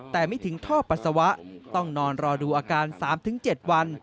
แต่ไม่ถึงท่อปัสสาวะต้องนอนรอดูอาการ๓๗วัน